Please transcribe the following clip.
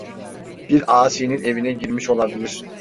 Bir asinin evine girmiş olabilir!